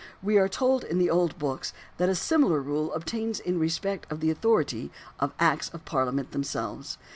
We are told in the old books that a similar rule obtains in respect of the authority of acts of Parliament themselves.